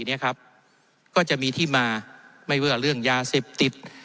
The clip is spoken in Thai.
เนี่ยครับก็จะมีที่มาไม่ว่าเรื่องยาเสพติด